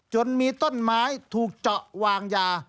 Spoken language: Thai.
จนมีต้นไม้ถูกเจาะวางยา